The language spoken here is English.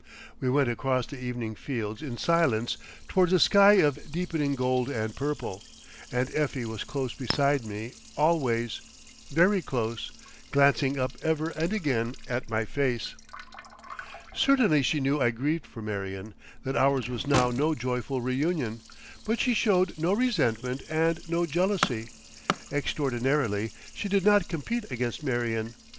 We went across the evening fields in silence, towards a sky of deepening gold and purple, and Effie was close beside me always, very close, glancing up ever and again at my face. Certainly she knew I grieved for Marion, that ours was now no joyful reunion. But she showed no resentment and no jealousy. Extraordinarily, she did not compete against Marion.